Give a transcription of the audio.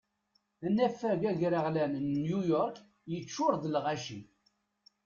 Anafag agraɣlan n New York yeččur d lɣaci.